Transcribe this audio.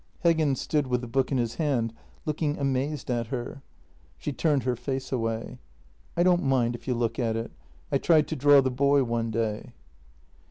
Heggen stood with the book in his hand, looking amazed at her. She turned her face away: " I don't mind if you look at it — I tried to draw the boy one day."